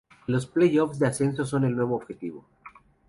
Los playoffs de ascenso son el nuevo objetivo.